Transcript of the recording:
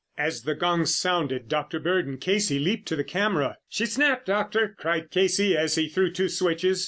As the gongs sounded, Dr. Bird and Casey leaped to the camera. "She snapped, Doctor!" cried Casey as he threw two switches.